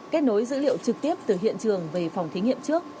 kết nối dữ liệu trực tiếp từ hiện trường về phòng thí nghiệm trước